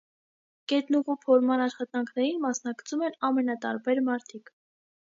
Գետնուղու փորման աշխատանքներին մասնակցում են ամենատարբեր մարդիկ։